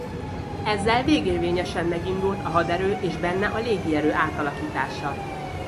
Ezzel végérvényesen megindult a haderő és benne a légierő átalakítása.